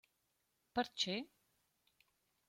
Perche?